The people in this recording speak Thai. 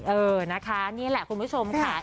เออนะคะนี่แหละคุณผู้ชมค่ะ